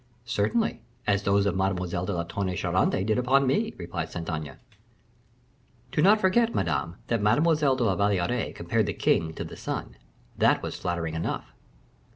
"Certainly, as those of Mademoiselle de Tonnay Charente did upon me," replied Saint Aignan; "do not forget, Madame, that Mademoiselle de la Valliere compared the king to the sun; that was flattering enough."